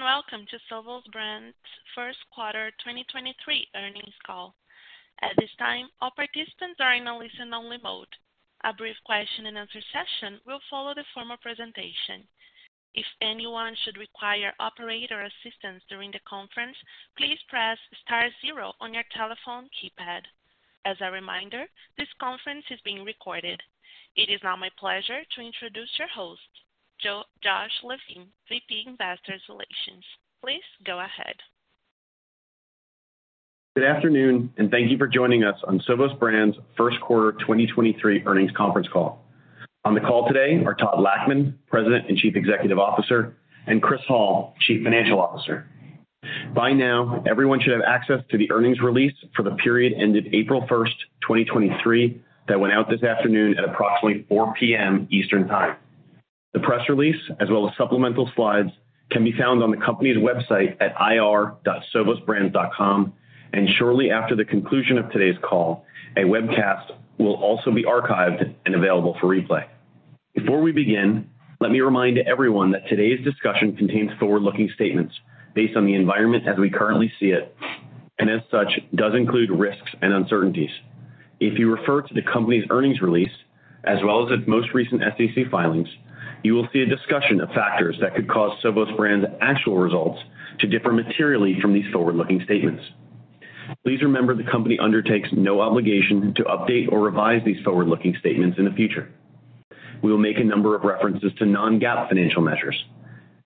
Welcome to Sovos Brands' First Quarter 2023 Earnings Call. At this time, all participants are in a listen only mode. A brief question and answer session will follow the formal presentation. If anyone should require operator assistance during the conference, please press star zero on your telephone keypad. As a reminder, this conference is being recorded. It is now my pleasure to introduce your host, Josh Levine, VP, Investor Relations. Please go ahead. Good afternoon, and thank you for joining us on Sovos Brands' First Quarter 2023 Earnings Conference Call. On the call today are Todd Lachman, President and Chief Executive Officer, and Chris Hall, Chief Financial Officer. By now, everyone should have access to the earnings release for the period ended April 1st, 2023, that went out this afternoon at approximately 4:00 P.M. Eastern Time. The press release, as well as supplemental slides, can be found on the company's website at ir.sovosbrands.com, and shortly after the conclusion of today's call, a webcast will also be archived and available for replay. Before we begin, let me remind everyone that today's discussion contains forward-looking statements based on the environment as we currently see it, and as such, does include risks and uncertainties. If you refer to the company's earnings release, as well as its most recent SEC filings, you will see a discussion of factors that could cause Sovos Brands' actual results to differ materially from these forward-looking statements. Please remember the company undertakes no obligation to update or revise these forward-looking statements in the future. We will make a number of references to non-GAAP financial measures.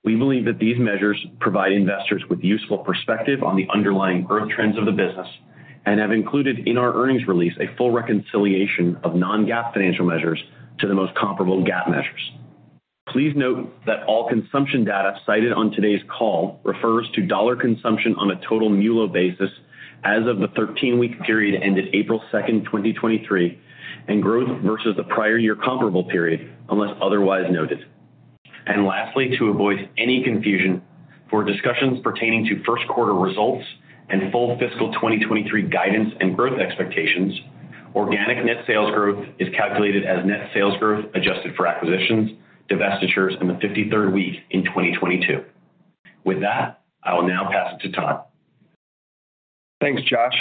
We believe that these measures provide investors with useful perspective on the underlying growth trends of the business and have included in our earnings release a full reconciliation of non-GAAP financial measures to the most comparable GAAP measures. Please note that all consumption data cited on today's call refers to dollar consumption on a total MULO basis as of the 13-week period ended April 2nd, 2023, and growth versus the prior-year comparable period, unless otherwise noted. Lastly, to avoid any confusion, for discussions pertaining to first quarter results and full fiscal 2023 guidance and growth expectations, organic net sales growth is calculated as net sales growth adjusted for acquisitions, divestitures in the 53rd week in 2022. With that, I will now pass it to Todd. Thanks, Josh.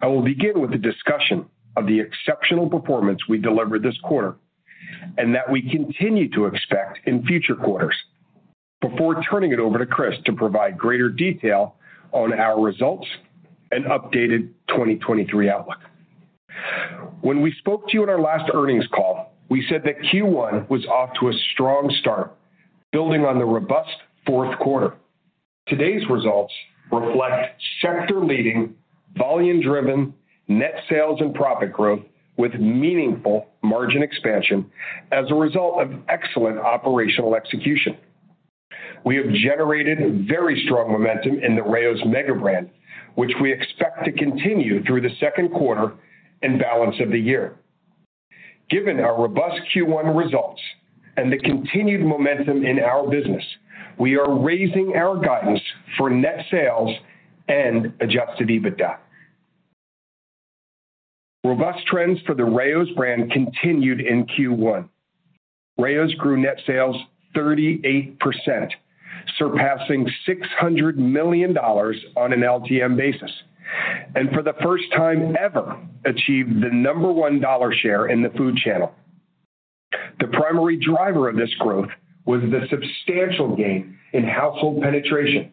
I will begin with a discussion of the exceptional performance we delivered this quarter, and that we continue to expect in future quarters, before turning it over to Chris to provide greater detail on our results and updated 2023 outlook. When we spoke to you in our last earnings call, we said that Q1 was off to a strong start, building on the robust fourth quarter. Today's results reflect sector-leading, volume-driven net sales and profit growth with meaningful margin expansion as a result of excellent operational execution. We have generated very strong momentum in the Rao's mega brand, which we expect to continue through the second quarter and balance of the year. Given our robust Q1 results and the continued momentum in our business, we are raising our guidance for net sales and adjusted EBITDA. Robust trends for the Rao's brand continued in Q1. Rao's grew net sales 38%, surpassing $600 million on an LTM basis. For the first time ever, achieved the number one dollar share in the food channel. The primary driver of this growth was the substantial gain in household penetration,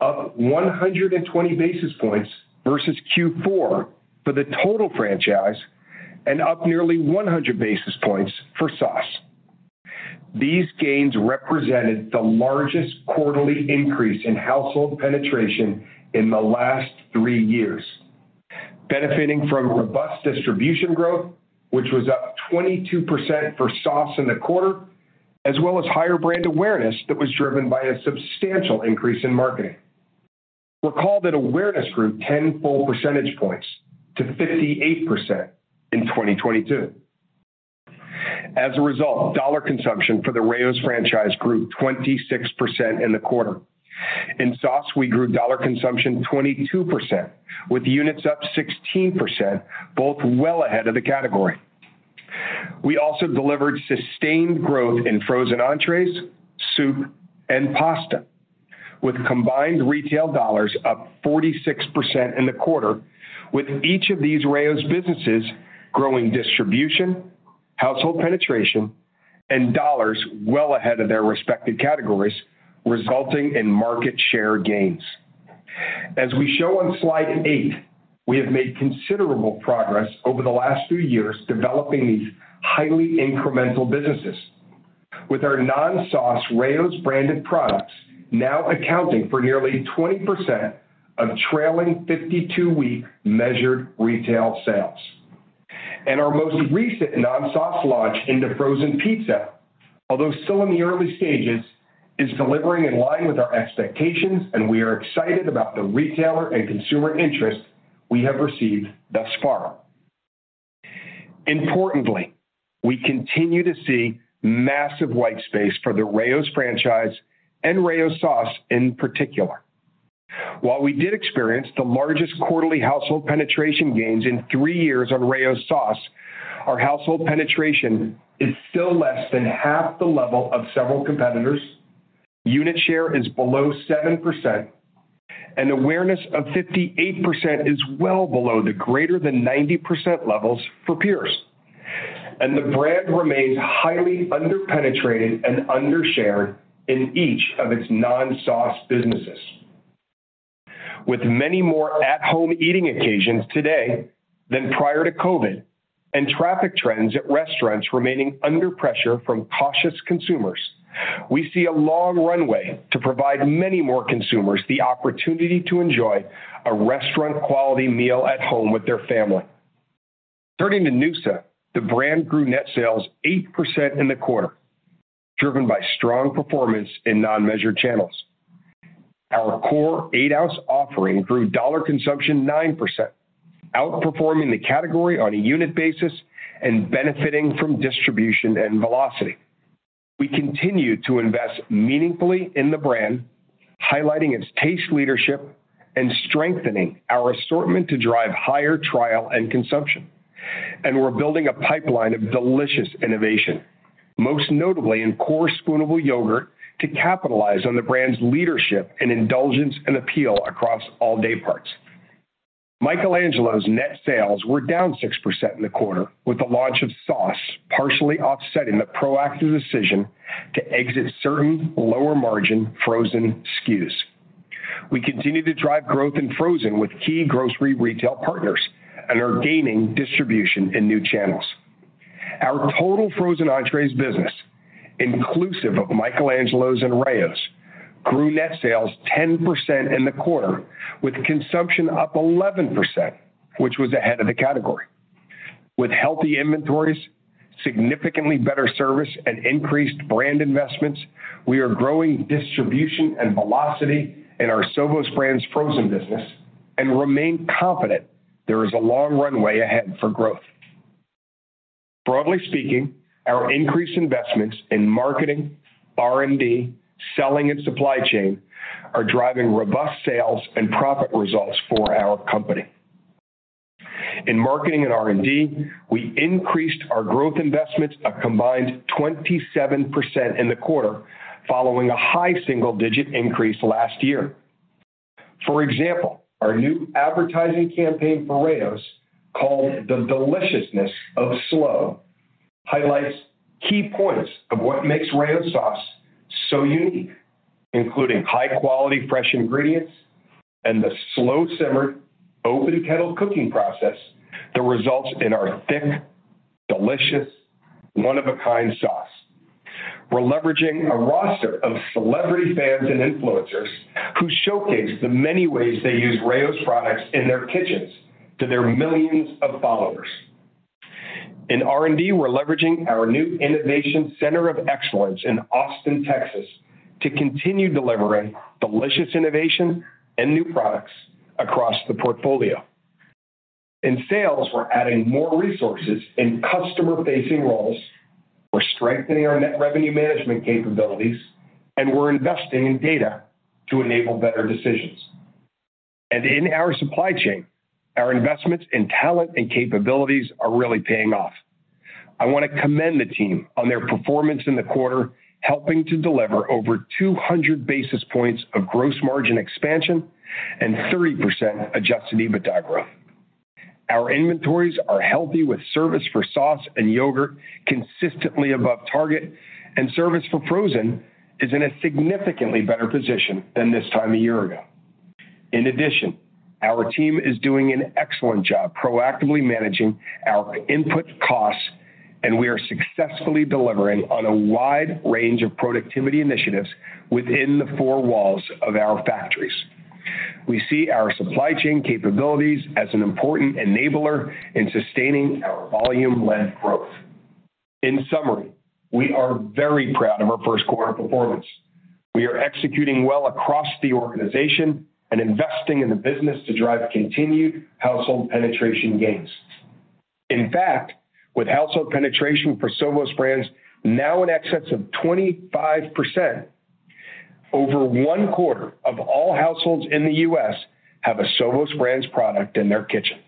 up 120 basis points versus Q4 for the total franchise and up nearly 100 basis points for sauce. These gains represented the largest quarterly increase in household penetration in the last three years. Benefiting from robust distribution growth, which was up 22% for sauce in the quarter, as well as higher brand awareness that was driven by a substantial increase in marketing. Recall that awareness grew 10 full percentage points to 58% in 2022. As a result, dollar consumption for the Rao's franchise grew 26% in the quarter. In sauce, we grew dollar consumption 22%, with units up 16%, both well ahead of the category. We also delivered sustained growth in frozen entrees, soup, and pasta, with combined retail dollars up 46% in the quarter, with each of these Rao's businesses growing distribution, household penetration, and dollars well ahead of their respective categories, resulting in market share gains. As we show on Slide 8, we have made considerable progress over the last few years developing these highly incremental businesses. Our non-sauce Rao's branded products now accounting for nearly 20% of trailing 52-week measured retail sales. Our most recent non-sauce launch into frozen pizza, although still in the early stages, is delivering in line with our expectations, and we are excited about the retailer and consumer interest we have received thus far. Importantly, we continue to see massive white space for the Rao's franchise and Rao's sauce in particular. While we did experience the largest quarterly household penetration gains in three years on Rao's sauce, our household penetration is still less than half the level of several competitors. Unit share is below 7%, awareness of 58% is well below the greater than 90% levels for peers. The brand remains highly under-penetrated and under-shared in each of its non-sauce businesses. With many more at-home eating occasions today than prior to COVID, and traffic trends at restaurants remaining under pressure from cautious consumers, we see a long runway to provide many more consumers the opportunity to enjoy a restaurant-quality meal at home with their family. Turning to noosa, the brand grew net sales 8% in the quarter, driven by strong performance in non-measured channels. Our core 8 oz offering grew dollar consumption 9%, outperforming the category on a unit basis and benefiting from distribution and velocity. We continue to invest meaningfully in the brand, highlighting its taste leadership and strengthening our assortment to drive higher trial and consumption. We're building a pipeline of delicious innovation, most notably in core spoonable yogurt, to capitalize on the brand's leadership and indulgence and appeal across all day parts. Michael Angelo's net sales were down 6% in the quarter, with the launch of sauce partially offsetting the proactive decision to exit certain lower-margin frozen SKUs. We continue to drive growth in frozen with key grocery retail partners and are gaining distribution in new channels. Our total frozen entrees business, inclusive of Michael Angelo's and Rao's, grew net sales 10% in the quarter, with consumption up 11%, which was ahead of the category. With healthy inventories, significantly better service, and increased brand investments, we are growing distribution and velocity in our Sovos Brands' frozen business and remain confident there is a long runway ahead for growth. Broadly speaking, our increased investments in marketing, R&D, selling, and supply chain are driving robust sales and profit results for our company. In marketing and R&D, we increased our growth investments a combined 27% in the quarter, following a high-single-digit increase last year. For example, our new advertising campaign for Rao's, called The Deliciousness of Slow, highlights key points of what makes Rao's sauce so unique, including high-quality fresh ingredients and the slow-simmered open kettle cooking process that results in our thick, delicious, one-of-a-kind sauce. We're leveraging a roster of celebrity fans and influencers who showcase the many ways they use Rao's products in their kitchens to their millions of followers. In R&D, we're leveraging our new innovation center of excellence in Austin, Texas, to continue delivering delicious innovation and new products across the portfolio. In sales, we're adding more resources in customer-facing roles, we're strengthening our net revenue management capabilities, we're investing in data to enable better decisions. In our supply chain, our investments in talent and capabilities are really paying off. I want to commend the team on their performance in the quarter, helping to deliver over 200 basis points of gross margin expansion and 30% Adjusted EBITDA growth. Our inventories are healthy with service for sauce and yogurt consistently above target, and service for frozen is in a significantly better position than this time of year ago. In addition, our team is doing an excellent job proactively managing our input costs, and we are successfully delivering on a wide range of productivity initiatives within the four walls of our factories. We see our supply chain capabilities as an important enabler in sustaining our volume-led growth. In summary, we are very proud of our first quarter performance. We are executing well across the organization and investing in the business to drive continued household penetration gains. In fact, with household penetration for Sovos Brands now in excess of 25%, over one-quarter of all households in the U.S. have a Sovos Brands product in their kitchen.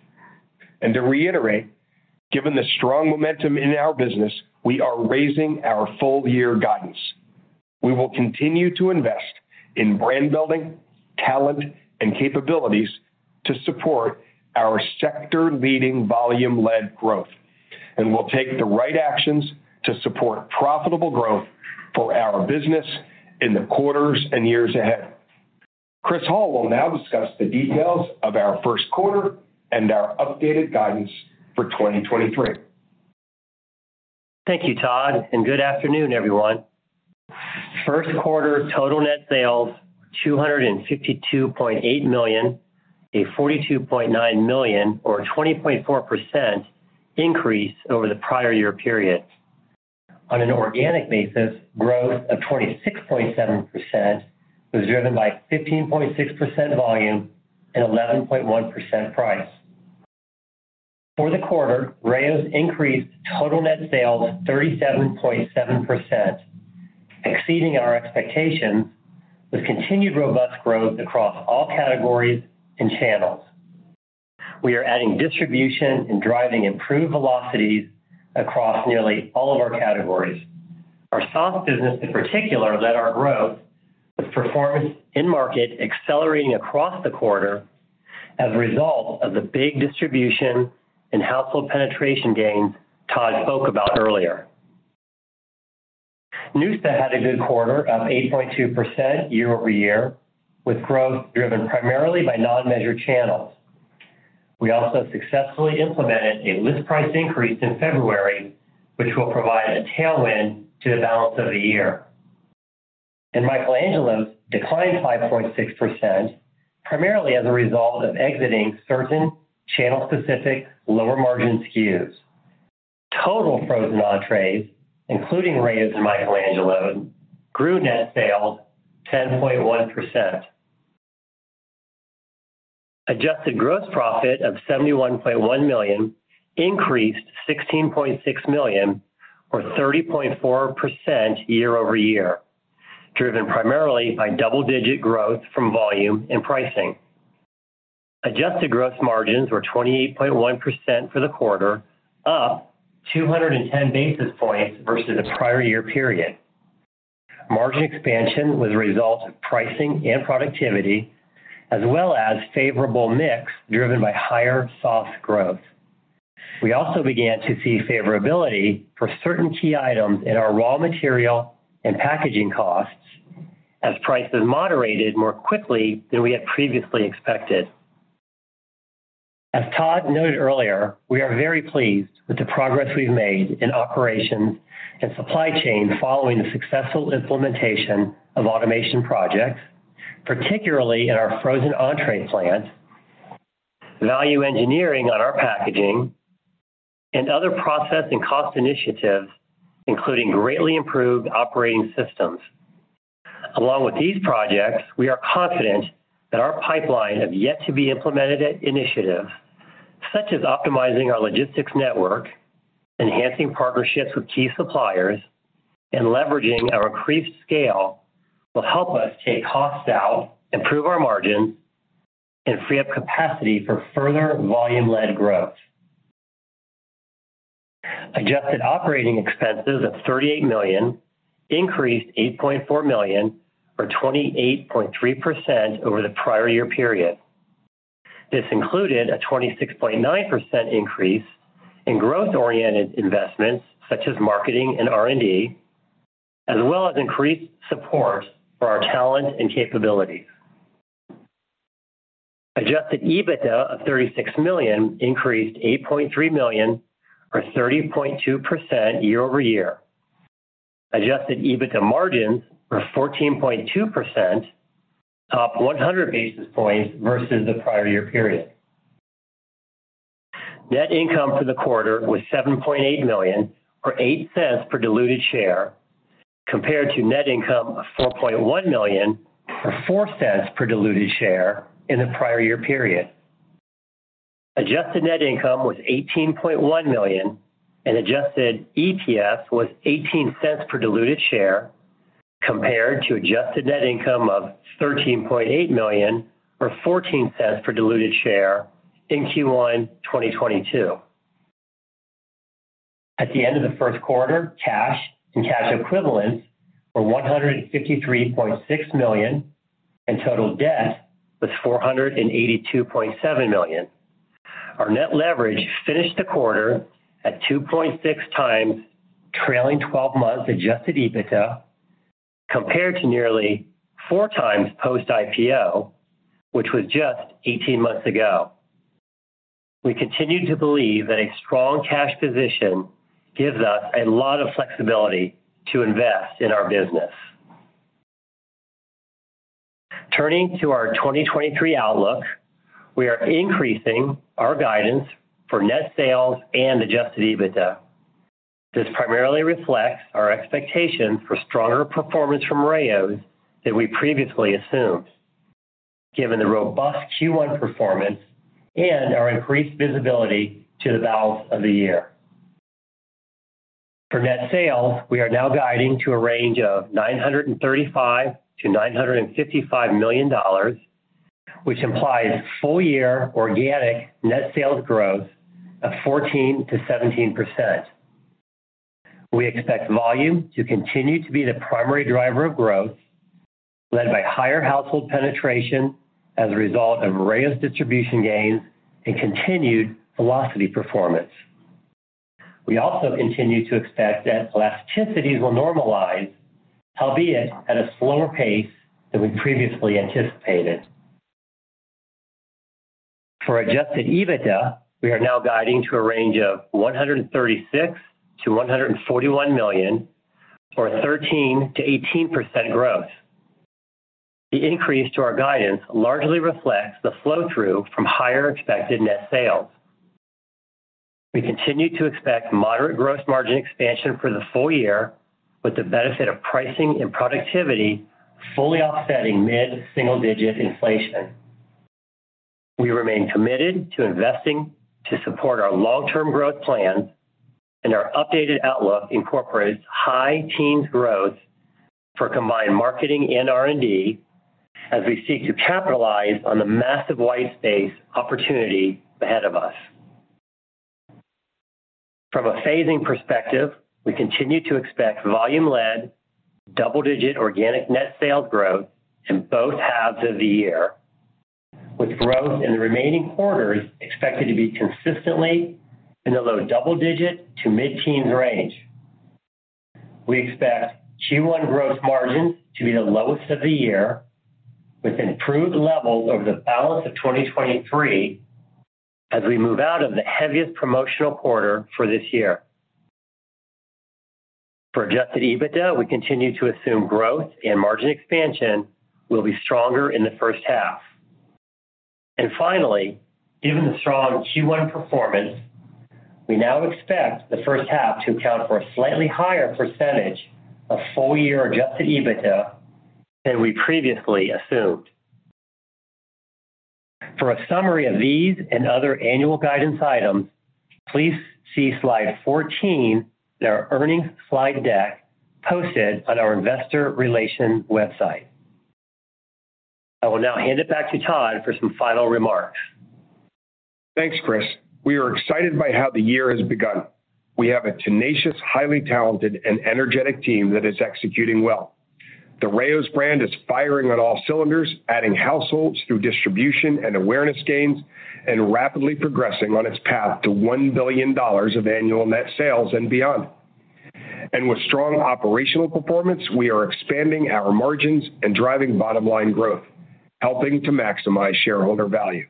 To reiterate, given the strong momentum in our business, we are raising our full-year guidance. We will continue to invest in brand building, talent, and capabilities to support our sector-leading volume-led growth. We'll take the right actions to support profitable growth for our business in the quarters and years ahead. Chris Hall will now discuss the details of our first quarter and our updated guidance for 2023. Thank you, Todd. Good afternoon, everyone. First quarter total net sales, $252.8 million, a $42.9 million or 20.4% increase over the prior-year period. On an organic basis, growth of 26.7% was driven by 15.6% volume and 11.1% price. For the quarter, Rao's increased total net sales 37.7%, exceeding our expectations with continued robust growth across all categories and channels. We are adding distribution and driving improved velocities across nearly all of our categories. Our sauce business in particular led our growth with performance in market accelerating across the quarter as a result of the big distribution and household penetration gains Todd spoke about earlier. noosa had a good quarter, up 8.2% year-over-year, with growth driven primarily by non-measured channels. We successfully implemented a list price increase in February, which will provide a tailwind to the balance of the year. Michael Angelo's declined 5.6% primarily as a result of exiting certain channel-specific lower-margin SKUs. Total frozen entrees, including Rao's and Michael Angelo's, grew net sales 10.1%. Adjusted gross profit of $71.1 million increased $16.6 million or 30.4% year-over-year, driven primarily by double-digit growth from volume and pricing. Adjusted gross margins were 28.1% for the quarter, up 210 basis points versus the prior year period. Margin expansion was a result of pricing and productivity as well as favorable mix driven by higher sauce growth. We also began to see favorability for certain key items in our raw material and packaging costs as prices moderated more quickly than we had previously expected. As Todd noted earlier, we are very pleased with the progress we've made in operations and supply chain following the successful implementation of automation projects, particularly in our frozen entree plant, value engineering on our packaging, and other process and cost initiatives, including greatly improved operating systems. Along with these projects, we are confident that our pipeline of yet to be implemented initiatives, such as optimizing our logistics network, enhancing partnerships with key suppliers, and leveraging our increased scale, will help us take costs out, improve our margins, and free up capacity for further volume-led growth. Adjusted operating expenses of $38 million increased $8.4 million or 28.3% over the prior-year period. This included a 26.9% increase in growth-oriented investments such as marketing and R&D, as well as increased support for our talent and capabilities. Adjusted EBITDA of $36 million increased $8.3 million or 30.2% year-over-year. Adjusted EBITDA margins were 14.2%, up 100 basis points versus the prior-year period. Net income for the quarter was $7.8 million or $0.08 per diluted share, compared to net income of $4.1 million or $0.04 per diluted share in the prior-year period. Adjusted net income was $18.1 million and Adjusted EPS was $0.18 per diluted share, compared to adjusted net income of $13.8 million or $0.14 per diluted share in Q1 2022. At the end of the first quarter, cash and cash equivalents were $153.6 million, and total debt was $482.7 million. Our net leverage finished the quarter at 2.6x trailing 12 months Adjusted EBITDA compared to nearly 4x post-IPO, which was just 18 months ago. We continue to believe that a strong cash position gives us a lot of flexibility to invest in our business. Turning to our 2023 outlook, we are increasing our guidance for net sales and Adjusted EBITDA. This primarily reflects our expectation for stronger performance from Rao's than we previously assumed, given the robust Q1 performance and our increased visibility to the balance of the year. For net sales, we are now guiding to a range of $935 million-$955 million, which implies full year organic net sales growth of 14%-17%. We expect volume to continue to be the primary driver of growth, led by higher household penetration as a result of Rao's distribution gains and continued velocity performance. We also continue to expect that elasticities will normalize, albeit at a slower pace than we previously anticipated. For Adjusted EBITDA, we are now guiding to a range of $136 million-$141 million or 13%-18% growth. The increase to our guidance largely reflects the flow-through from higher expected net sales. We continue to expect moderate gross margin expansion for the full year with the benefit of pricing and productivity fully offsetting mid-single-digit inflation. We remain committed to investing to support our long-term growth plans. Our updated outlook incorporates high teens growth for combined marketing and R&D as we seek to capitalize on the massive white space opportunity ahead of us. From a phasing perspective, we continue to expect volume-led, double-digit organic net sales growth in both halves of the year, with growth in the remaining quarters expected to be consistently in the low-double digit to mid-teens range. We expect Q1 growth margins to be the lowest of the year, with improved levels over the balance of 2023 as we move out of the heaviest promotional quarter for this year. For Adjusted EBITDA, we continue to assume growth and margin expansion will be stronger in the first half. Finally, given the strong Q1 performance, we now expect the first half to account for a slightly higher percentage of full-year Adjusted EBITDA than we previously assumed. For a summary of these and other annual guidance items, please see Slide 14 in our earnings slide deck posted on our investor relations website. I will now hand it back to Todd for some final remarks. Thanks, Chris. We are excited by how the year has begun. We have a tenacious, highly talented, and energetic team that is executing well. The Rao's brand is firing on all cylinders, adding households through distribution and awareness gains, and rapidly progressing on its path to $1 billion of annual net sales and beyond. With strong operational performance, we are expanding our margins and driving bottom-line growth, helping to maximize shareholder value.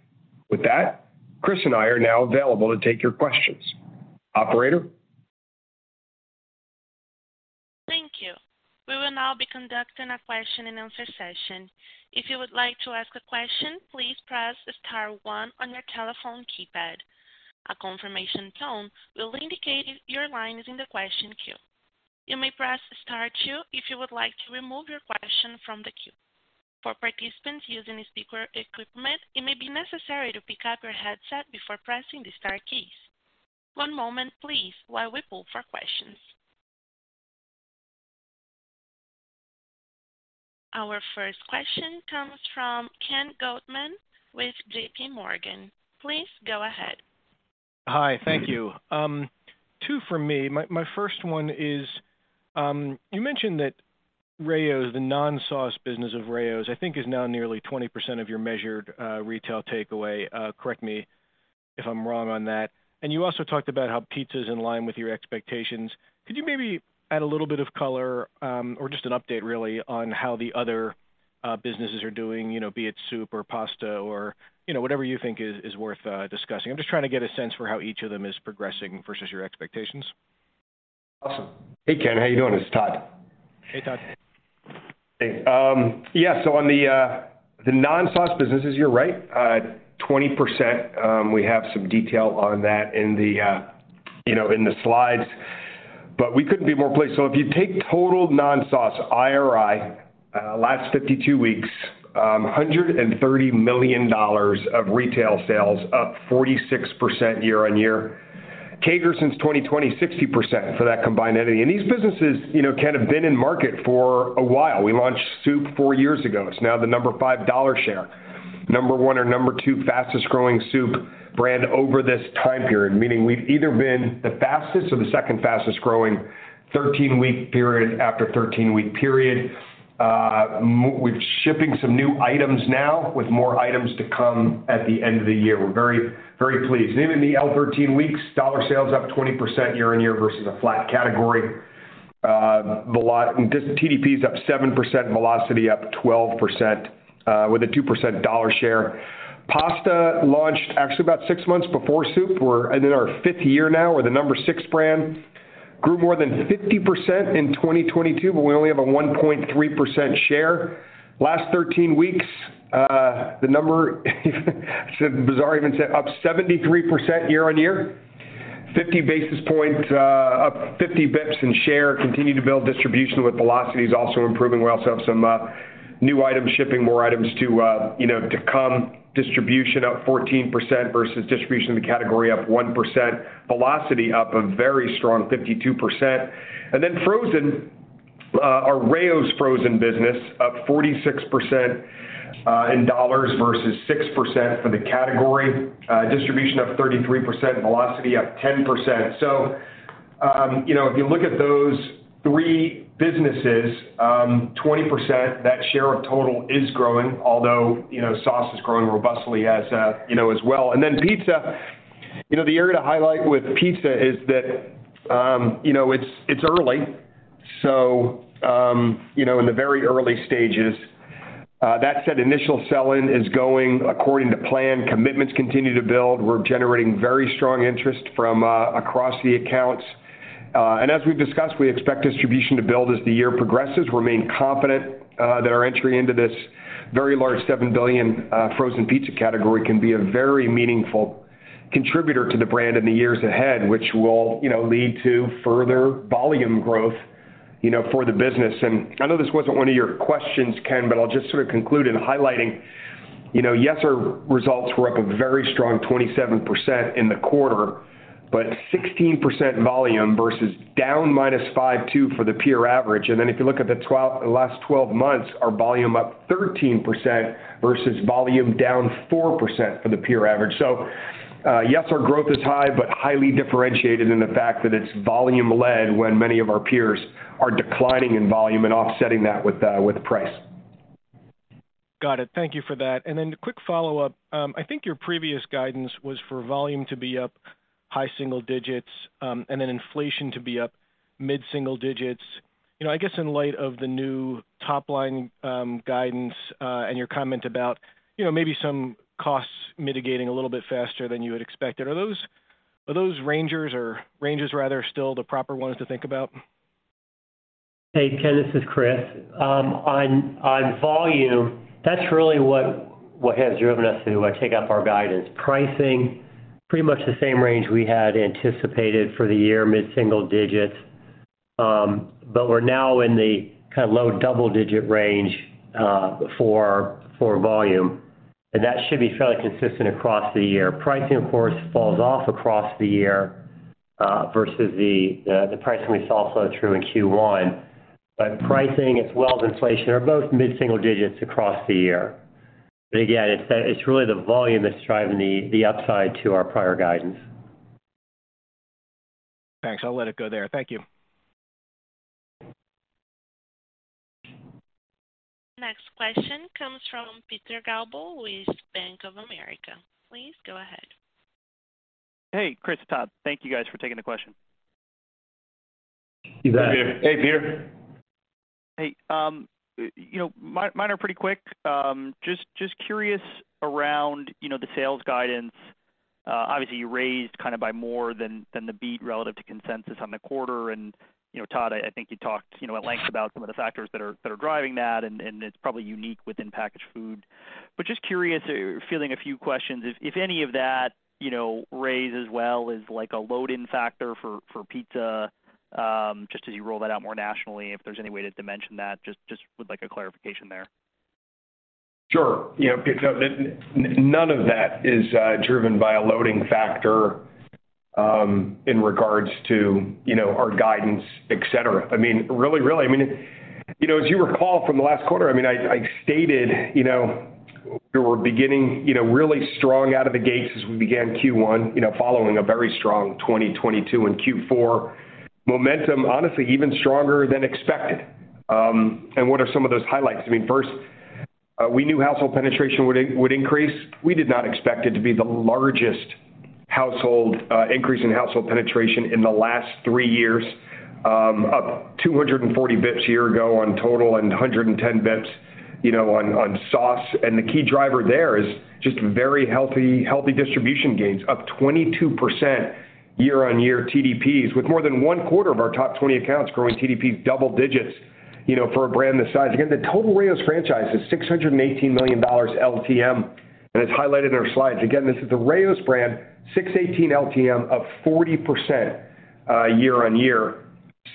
With that, Chris and I are now available to take your questions. Operator? Thank you. We will now be conducting a question-and-answer session. If you would like to ask a question, please press star one on your telephone keypad. A confirmation tone will indicate your line is in the question queue. You may press star two if you would like to remove your question from the queue. For participants using speaker equipment, it may be necessary to pick up your headset before pressing the star keys. One moment please while we pull for questions. Our first question comes from Ken Goldman with JPMorgan. Please go ahead. Hi. Thank you. Two from me. My first one is, you mentioned that Rao's, the non-sauce business of Rao's, I think is now nearly 20% of your measured retail takeaway. Correct me if I'm wrong on that. You also talked about how pizza is in line with your expectations. Could you maybe add a little bit of color, or just an update really on how the other businesses are doing, you know, be it soup or pasta or, you know, whatever you think is worth discussing? I'm just trying to get a sense for how each of them is progressing versus your expectations. Awesome. Hey, Ken. How you doing? It's Todd. Hey, Todd. Hey. On the non-sauce businesses, you're right, 20%. We have some detail on that in the slides, but we couldn't be more pleased. If you take total non-sauce IRI, last 52 weeks, $130 million of retail sales up 46% year-on-year. CAGR since 2020, 60% for that combined entity. These businesses, Ken, have been in market for a while. We launched soup four years ago. It's now the number five dollar share. Number one or number two fastest-growing soup brand over this time period, meaning we've either been the fastest or the second fastest-growing 13-week period after 13-week period. We're shipping some new items now with more items to come at the end of the year. We're very, very pleased. Even the LTM, dollar sales up 20% year-on-year versus a flat category. Just TDP is up 7%, velocity up 12%, with a 2% dollar share. Pasta launched actually about six months before soup. We're in our fifth year now. We're the number six brand. Grew more than 50% in 2022, we only have a 1.3% share. Last 13 weeks, the number it's bizarre even to say, up 73% year-on-year, 50 basis points, up 50 bps in share, continue to build distribution with velocities also improving. We also have some new items, shipping more items to, you know, to come. Distribution up 14% versus distribution in the category up 1%. Velocity up a very strong 52%. In frozen, our Rao's frozen business up 46% in dollars versus 6% for the category. Distribution up 33%, velocity up 10%. you know, if you look at those three businesses, 20%, that share of total is growing, although, you know, sauce is growing robustly as, you know, as well. Pizza, you know, the area to highlight with pizza is that, you know, it's early, you know, in the very early stages. That said, initial sell-in is going according to plan. Commitments continue to build. We're generating very strong interest from across the accounts. As we've discussed, we expect distribution to build as the year progresses. Remain confident that our entry into this very large $7 billion frozen pizza category can be a very meaningful contributor to the brand in the years ahead, which will, you know, lead to further volume growth, you know, for the business. I know this wasn't one of your questions, Ken, but I'll just sort of conclude in highlighting, you know, yes, our results were up a very strong 27% in the quarter, but 16% volume versus down -5.2% for the peer average. If you look at the last 12 months, our volume up 13% versus volume down 4% for the peer average. Yes, our growth is high, but highly differentiated in the fact that it's volume-led when many of our peers are declining in volume and offsetting that with price. Got it. Thank you for that. Quick follow-up. I think your previous guidance was for volume to be up high single digits, and then inflation to be up mid-single digits. You know, I guess in light of the new top line guidance, and your comment about, you know, maybe some costs mitigating a little bit faster than you had expected. Are those ranges rather, still the proper ones to think about? Hey, Ken, this is Chris. On volume, that's really what has driven us to take up our guidance. Pricing, pretty much the same range we had anticipated for the year, mid-single digits. We're now in the kinda low-double-digit range for volume, and that should be fairly consistent across the year. Pricing, of course, falls off across the year versus the pricing we saw flow through in Q1. Pricing as well as inflation are both mid-single digits across the year. Again, it's really the volume that's driving the upside to our prior guidance. Thanks. I'll let it go there. Thank you. Next question comes from Peter Galbo with Bank of America. Please go ahead. Hey, Chris, Todd. Thank you guys for taking the question. You bet. Hey, Peter. Hey, you know, mine are pretty quick. Just curious around, you know, the sales guidance. Obviously you raised kinda by more than the beat relative to consensus on the quarter. You know, Todd, I think you talked, you know, at length about some of the factors that are driving that, and it's probably unique within packaged food. Just curious, fielding a few questions, if any of that, you know, raise as well is like a load-in factor for pizza, just as you roll that out more nationally, if there's any way to dimension that, just would like a clarification there. Sure. You know, none of that is driven by a loading factor in regards to, you know, our guidance, et cetera. I mean, really, I mean, you know, as you recall from the last quarter, I mean, I stated, you know, we were beginning, you know, really strong out of the gates as we began Q1, you know, following a very strong 2022 and Q4. Momentum, honestly, even stronger than expected. What are some of those highlights? I mean, first, we knew household penetration would increase. We did not expect it to be the largest household increase in household penetration in the last three years, up 240 basis points year ago on total and 110 basis points, you know, on sauce. The key driver there is just very healthy distribution gains, up 22% year-over-year TDPs, with more than one quarter of our top 20 accounts growing TDP double digits, you know, for a brand this size. The total Rao's franchise is $618 million LTM, and it's highlighted in our slides. This is the Rao's brand, $618 million LTM up 40% year-on-year.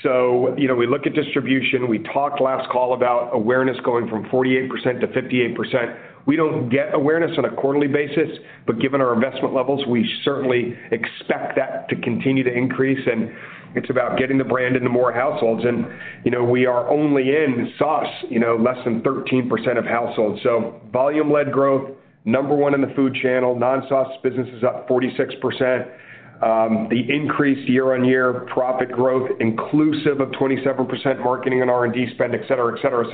You know, we look at distribution. We talked last call about awareness going from 48% to 58%. We don't get awareness on a quarterly basis, but given our investment levels, we certainly expect that to continue to increase, and it's about getting the brand into more households. You know, we are only in sauce, you know, less than 13% of households. Volume-led growth, number one in the food channel, non-sauce business is up 46%. The increase year on year profit growth inclusive of 27% marketing and R&D spend, et cetera, et cetera.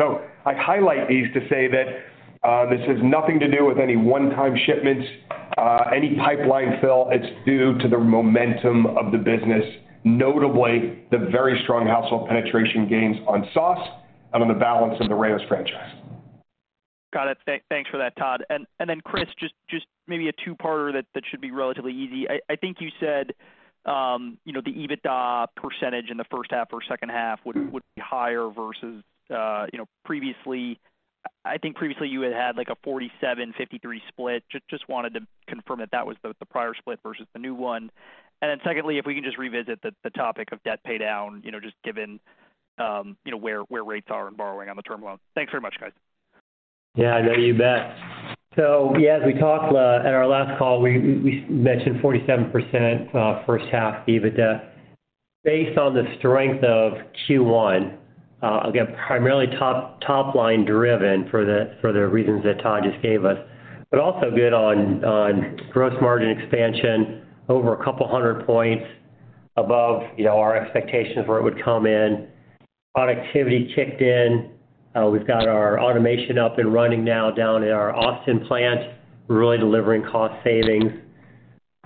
I highlight these to say that this has nothing to do with any one-time shipments, any pipeline fill. It's due to the momentum of the business, notably the very strong household penetration gains on sauce and on the balance of the Rao's franchise. Got it. Thanks for that, Todd. Then, Chris, just maybe a two-parter that should be relatively easy. I think you said, you know, the Adjusted EBITDA percentage in the first half or second half would be higher versus, you know, previously. I think previously you had like a 47/53 split. Just wanted to confirm if that was both the prior split versus the new one. Secondly, if we can just revisit the topic of debt pay down, you know, just given, you know, where rates are in borrowing on the term loan. Thanks very much, guys. Yeah, no, you bet. Yeah, as we talked at our last call, we mentioned 47% first half EBITDA based on the strength of Q1. Again, primarily top line driven for the reasons that Todd just gave us. Also good on gross margin expansion over 200 points above, you know, our expectations where it would come in. Productivity kicked in. We've got our automation up and running now down in our Austin plant. We're really delivering cost savings.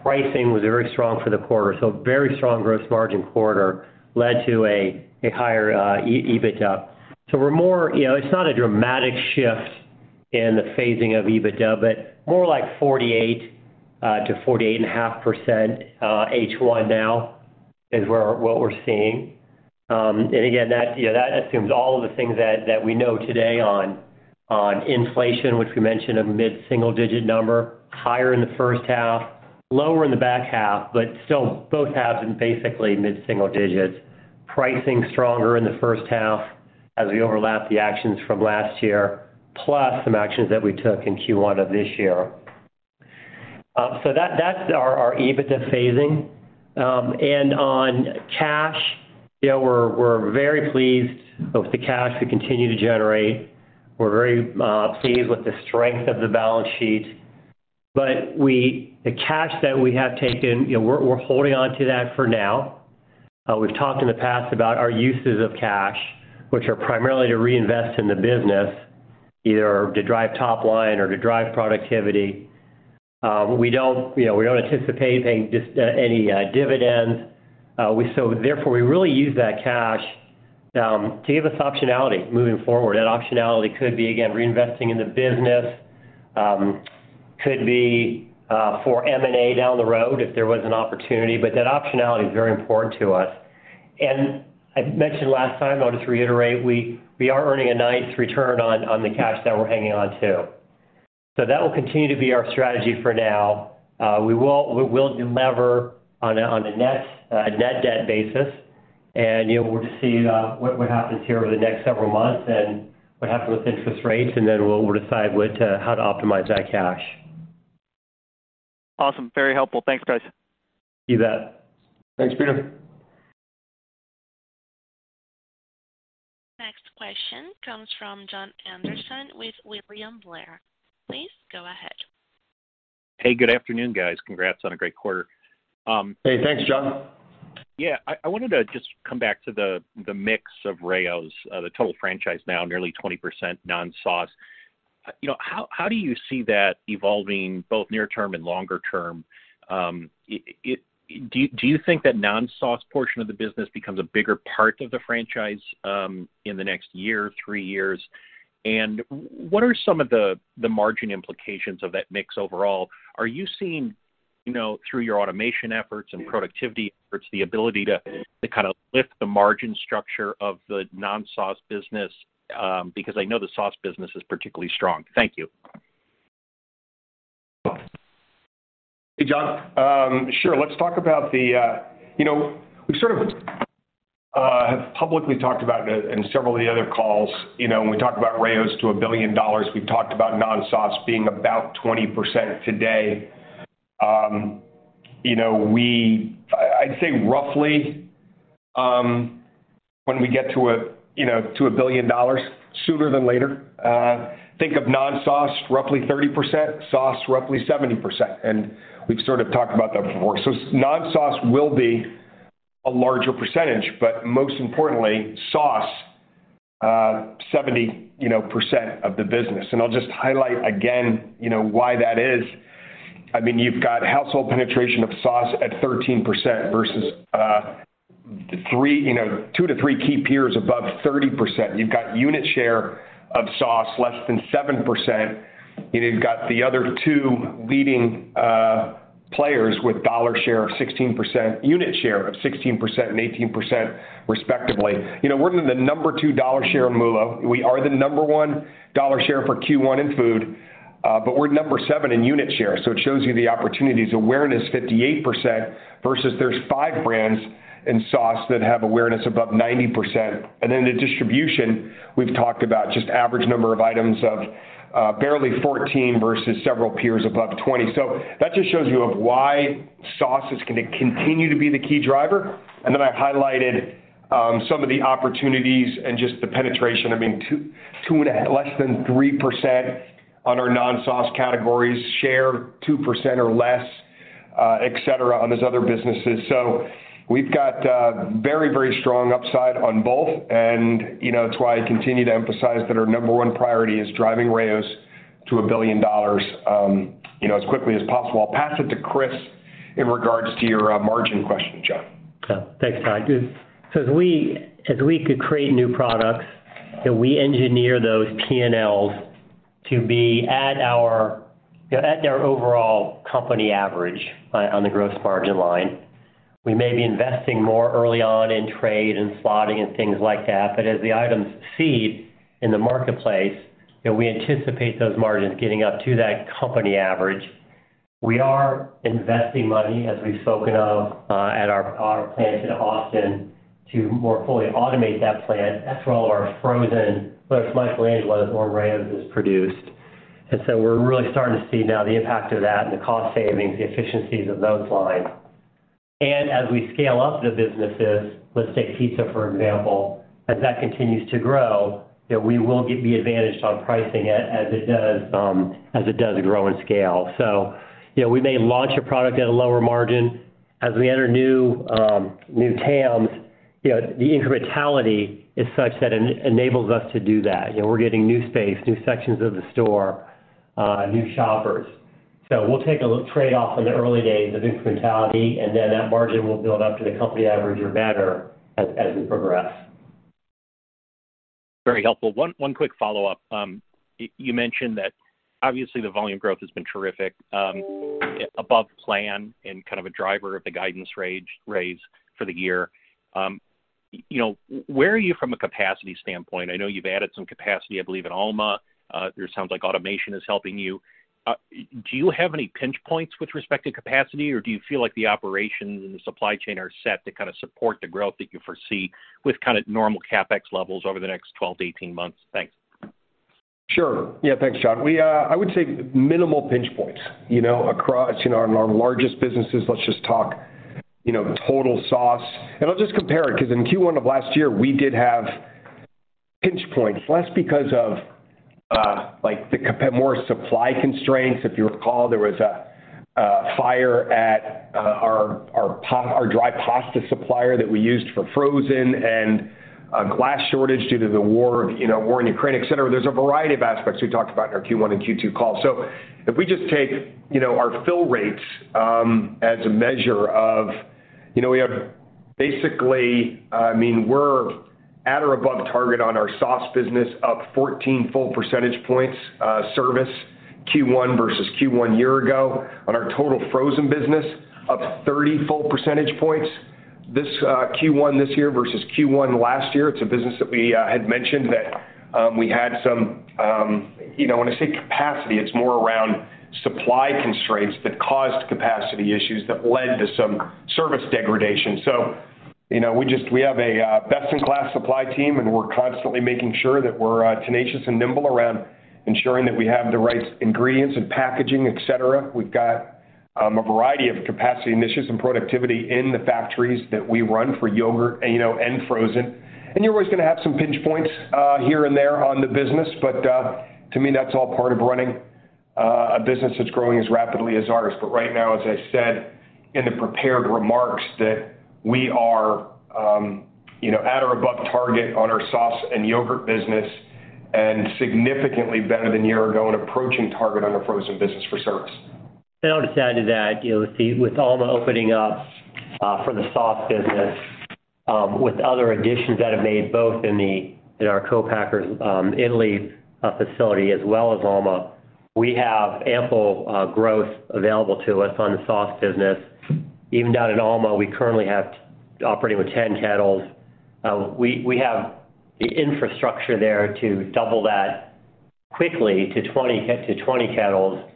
Pricing was very strong for the quarter, very strong gross margin quarter led to a higher EBITDA. We're more, you know, it's not a dramatic shift in the phasing of EBITDA, but more like 48%-48.5% H1 now is where what we're seeing. Again, that, you know, that assumes all of the things that we know today on inflation, which we mentioned a mid-single-digit number, higher in the first half, lower in the back half, but still both halves in basically mid-single digits. Pricing stronger in the first half as we overlap the actions from last year, plus some actions that we took in Q1 of this year. That, that's our EBITDA phasing. On cash, you know, we're very pleased with the cash we continue to generate. We're very pleased with the strength of the balance sheet. The cash that we have taken, you know, we're holding onto that for now. We've talked in the past about our uses of cash, which are primarily to reinvest in the business, either to drive top line or to drive productivity. We don't, you know, we don't anticipate paying just any dividends. Therefore, we really use that cash to give us optionality moving forward. That optionality could be, again, reinvesting in the business, could be for M&A down the road if there was an opportunity, but that optionality is very important to us. I mentioned last time, I'll just reiterate, we are earning a nice return on the cash that we're hanging on to. That will continue to be our strategy for now. We will de-lever on a net net debt basis. You know, we'll just see, what happens here over the next several months and what happens with interest rates, and then we'll decide how to optimize that cash. Awesome. Very helpful. Thanks, guys. You bet. Thanks, Peter. Next question comes from Jon Andersen with William Blair. Please go ahead. Hey, good afternoon, guys. Congrats on a great quarter. Hey, thanks, Jon. Yeah. I wanted to just come back to the mix of Rao's, the total franchise now nearly 20% non-sauce. You know, how do you see that evolving both near term and longer term? Do you think that non-sauce portion of the business becomes a bigger part of the franchise in the next year, three years? What are some of the margin implications of that mix overall? Are you seeing, you know, through your automation efforts and productivity efforts, the ability to kinda lift the margin structure of the non-sauce business? Because I know the sauce business is particularly strong. Thank you. Hey, Jon. Sure. Let's talk about the, you know, we sort of have publicly talked about it in several of the other calls. You know, when we talk about Rao's to $1 billion, we've talked about non-sauce being about 20% today. You know, I'd say roughly, when we get to a $1 billion sooner than later, think of non-sauce roughly 30%, sauce roughly 70%. We've sort of talked about that before. Non-sauce will be a larger percentage, but most importantly, sauce, 70% of the business. I'll just highlight again, you know, why that is. I mean, you've got household penetration of sauce at 13% versus, three, you know, two to three key peers above 30%. You've got unit share of sauce less than 7%, you've got the other two leading players with dollar share of 16%, unit share of 16% and 18%, respectively. You know, we're the number two dollar share in MULO. We are the number one dollar share for Q1 in food, we're number seven in unit share. It shows you the opportunities. Awareness, 58% versus there's five brands in sauce that have awareness above 90%. The distribution, we've talked about just average number of items of barely 14 versus several peers above 20. That just shows you of why sauce is gonna continue to be the key driver. I highlighted some of the opportunities and just the penetration. I mean, less than 3% on our non-sauce categories share, 2% or less, et cetera, on those other businesses. we've got very, very strong upside on both. you know, that's why I continue to emphasize that our number one priority is driving Rao's to $1 billion, you know, as quickly as possible. I'll pass it to Chris in regards to your margin question, Jon. Yeah. Thanks, Todd. As we could create new products, you know, we engineer those P&Ls to be at our, you know, at their overall company average on the gross margin line. We may be investing more early on in trade and slotting and things like that, but as the items seed in the marketplace, you know, we anticipate those margins getting up to that company average. We are investing money, as we've spoken of, at our plant in Austin to more fully automate that plant. That's where all our frozen, whether it's Michael Angelo's or Rao's, is produced. We're really starting to see now the impact of that and the cost savings, the efficiencies of those lines. As we scale up the businesses, let's take pizza, for example, as that continues to grow, you know, we will get the advantage on pricing as it does grow in scale. You know, we may launch a product at a lower margin. As we enter new TAMs, you know, the incrementality is such that it enables us to do that. You know, we're getting new space, new sections of the store, new shoppers. We'll take a little trade-off in the early days of incrementality, and then that margin will build up to the company average or better as we progress. Very helpful. One quick follow-up. You mentioned that obviously the volume growth has been terrific, above plan and kind of a driver of the guidance raise for the year. You know, where are you from a capacity standpoint? I know you've added some capacity, I believe, in Alma. It sounds like automation is helping you. Do you have any pinch points with respect to capacity, or do you feel like the operations and the supply chain are set to kind of support the growth that you foresee with kind of normal CapEx levels over the next 12-18 months? Thanks. Sure. Yeah. Thanks, Jon. We I would say minimal pinch points, you know, across, you know, in our largest businesses. Let's just talk, you know, total sauce. I'll just compare it because in Q1 of last year, we did have pinch points, less because of like more supply constraints. If you recall, there was a fire at our dry pasta supplier that we used for frozen and a glass shortage due to the war, you know, war in Ukraine, et cetera. There's a variety of aspects we talked about in our Q1 and Q2 calls. If we just take, you know, our fill rates as a measure of. You know, we have basically, I mean, we're at or above target on our sauce business, up 14 full percentage points service Q1 versus Q1 year ago. On our total frozen business, up 30 full percentage points. This Q1 this year versus Q1 last year, it's a business that we had mentioned that we had some, you know, when I say capacity, it's more around supply constraints that caused capacity issues that led to some service degradation. You know, we have a best-in-class supply team, and we're constantly making sure that we're tenacious and nimble around ensuring that we have the right ingredients and packaging, et cetera. We've got a variety of capacity initiatives and productivity in the factories that we run for yogurt and, you know, and frozen. You're always gonna have some pinch points here and there on the business. To me, that's all part of running a business that's growing as rapidly as ours. Right now, as I said in the prepared remarks, that we are, you know, at or above target on our sauce and yogurt business and significantly better than a year ago and approaching target on our frozen business for Sovos. I'll just add to that, you know, with Alma opening up for the sauce business, with other additions that are made both in our co-packers, Italy facility, as well as Alma, we have ample growth available to us on the sauce business. Even down in Alma, we currently operating with 10 kettles. We have the infrastructure there to double that quickly to 20 kettles.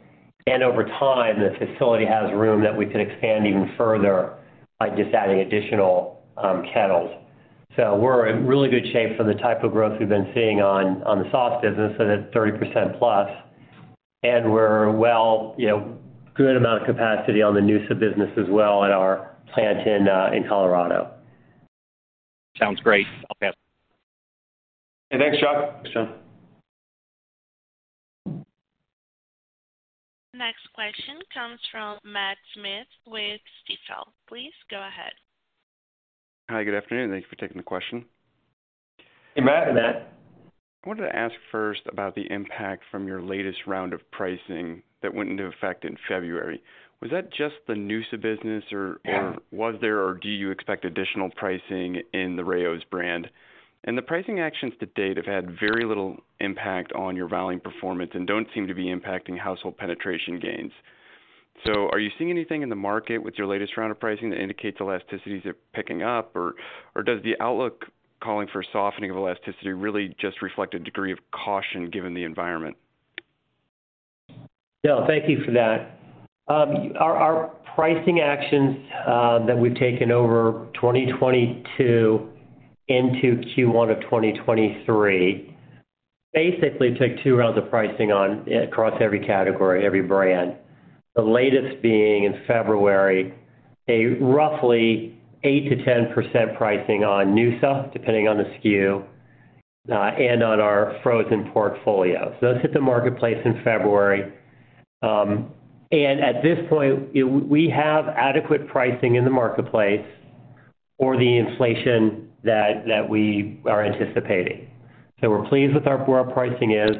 Over time, the facility has room that we can expand even further by just adding additional kettles. We're in really good shape for the type of growth we've been seeing on the sauce business and at 30% plus. We're well, you know, good amount of capacity on the noosa business as well at our plant in Colorado. Sounds great. Okay. Thanks, Jon. Thanks, Jon. Next question comes from Matt Smith with Stifel. Please go ahead. Hi, good afternoon. Thank you for taking the question. Hey, Matt. Matt. I wanted to ask first about the impact from your latest round of pricing that went into effect in February. Was that just the noosa business or was there or do you expect additional pricing in the Rao's brand? The pricing actions to date have had very little impact on your volume performance and don't seem to be impacting household penetration gains. Are you seeing anything in the market with your latest round of pricing that indicates elasticities are picking up, or does the outlook calling for softening of elasticity really just reflect a degree of caution given the environment? Matt, thank you for that. Our pricing actions that we've taken over 2022 into Q1 of 2023 basically took two rounds of pricing on across every category, every brand. The latest being in February, a roughly 8%-10% pricing on noosa, depending on the SKU, and on our frozen portfolio. Those hit the marketplace in February. At this point, we have adequate pricing in the marketplace for the inflation that we are anticipating. We're pleased with where our pricing is.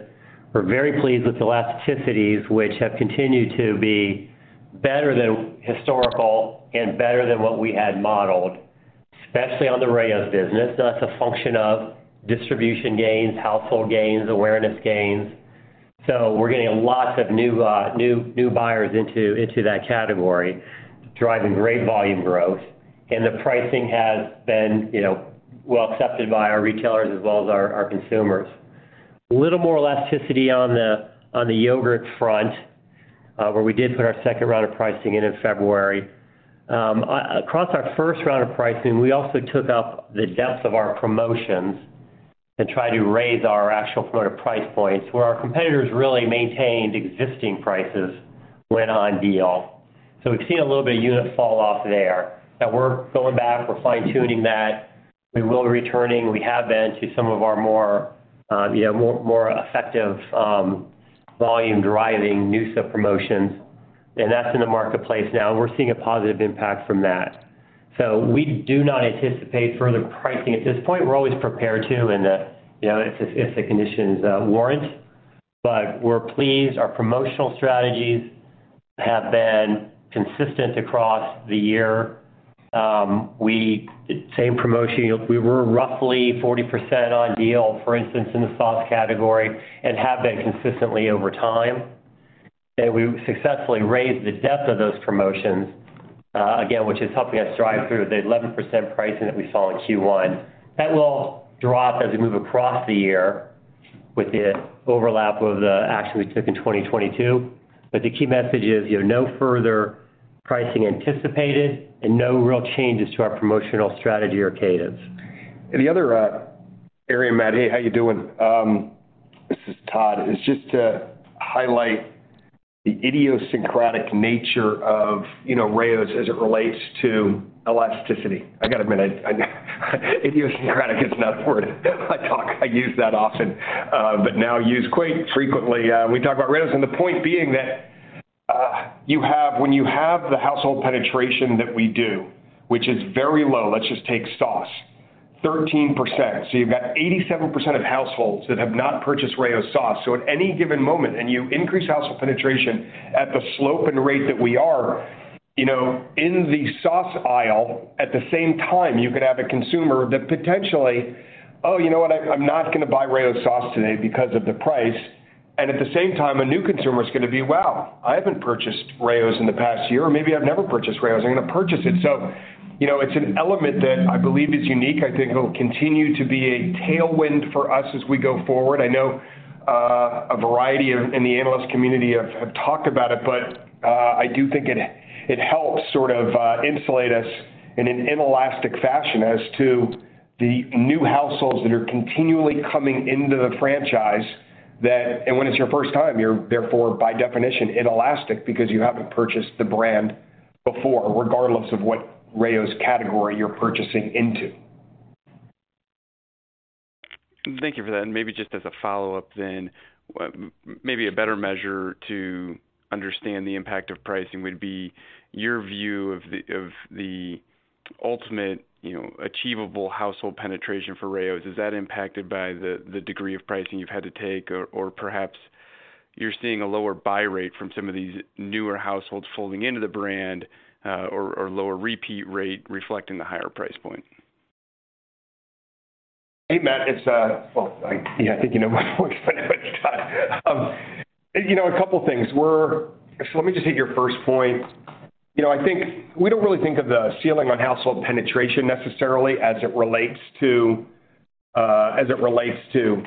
We're very pleased with elasticities, which have continued to be better than historical and better than what we had modeled, especially on the Rao's business. That's a function of distribution gains, household gains, awareness gains. We're getting lots of new buyers into that category, driving great volume growth. The pricing has been, you know, well accepted by our retailers as well as our consumers. A little more elasticity on the, on the yogurt front, where we did put our second round of pricing in in February. Across our first round of pricing, we also took up the depth of our promotions and tried to raise our actual sort of price points where our competitors really maintained existing prices when on deal. We've seen a little bit of unit fall off there. Now we're going back, we're fine-tuning that. We will be returning, we have been to some of our more, you know, more effective, volume-driving noosa promotions, and that's in the marketplace now, and we're seeing a positive impact from that. We do not anticipate further pricing at this point. We're always prepared to in the, you know, if the conditions warrant. We're pleased our promotional strategies have been consistent across the year. The same promotion, you know, we were roughly 40% on deal, for instance, in the sauce category and have been consistently over time, that we successfully raised the depth of those promotions again, which is helping us drive through the 11% pricing that we saw in Q1. That will drop as we move across the year with the overlap of the action we took in 2022. The key message is, you know, no further pricing anticipated and no real changes to our promotional strategy or cadence. Matt. Hey, how you doing? This is Todd. Is just to highlight the idiosyncratic nature of, you know, Rao's as it relates to elasticity. I gotta admit, idiosyncratic is not the word I use that often, but now use quite frequently when we talk about Rao's. The point being that, when you have the household penetration that we do, which is very low. Let's just take sauce, 13%. You've got 87% of households that have not purchased Rao's sauce. At any given moment, and you increase household penetration at the slope and rate that we are, you know, in the sauce aisle, at the same time, you could have a consumer that potentially, "Oh, you know what?". I'm not gonna buy Rao's sauce today because of the price." At the same time, a new consumer is gonna be, "Wow, I haven't purchased Rao's in the past year or maybe I've never purchased Rao's. I'm gonna purchase it." You know, it's an element that I believe is unique. I think it'll continue to be a tailwind for us as we go forward. I know a variety of in the analyst community have talked about it, I do think it helps sort of insulate us in an inelastic fashion as to the new households that are continually coming into the franchise. When it's your first time, you're therefore by definition inelastic because you haven't purchased the brand before, regardless of what Rao's category you're purchasing into. Thank you for that. Maybe just as a follow-up then, maybe a better measure to understand the impact of pricing would be your view of the ultimate, you know, achievable household penetration for Rao's. Is that impacted by the degree of pricing you've had to take? Or perhaps you're seeing a lower buy rate from some of these newer households folding into the brand, or lower repeat rate reflecting the higher price point. Hey, Matt, I think you know my voice by now. It's Todd Lachman. You know, a couple things. Let me just hit your first point. You know, I think we don't really think of the ceiling on household penetration necessarily as it relates to as it relates to